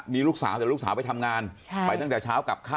มีลูกสาวแต่ลูกสาวไปทำงานไปตั้งแต่เช้ากลับค่ำ